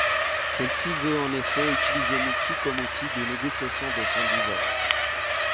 Celle-ci veut en effet utiliser Missy comme outil de négociation dans son divorce.